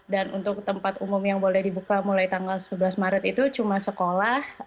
dan untuk tempat umum yang boleh dibuka mulai tanggal sebelas maret itu cuma sekolah